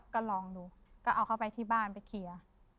ก็ลองดูก็เอาเข้าไปที่บ้านไปเคลียร์